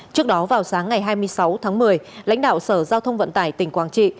trước đó vào sáng ngày hai mươi sáu tháng một mươi lãnh đạo sở giao thông vận tải tỉnh quảng trị